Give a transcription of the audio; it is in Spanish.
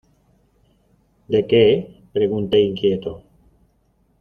¿De qué? pregunté inquieto.